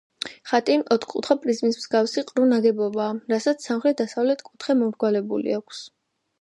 ხატი ოთხკუთხა პრიზმის მსგავსი ყრუ ნაგებობაა, რასაც სამხრეთ-დასავლეთი კუთხე მომრგვალებული აქვს.